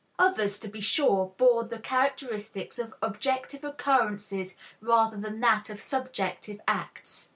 Others, to be sure, bore the characteristics of objective occurrences rather than that of subjective acts.